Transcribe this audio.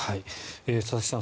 佐々木さん